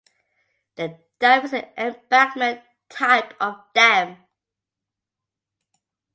The dam is an embankment type of dam.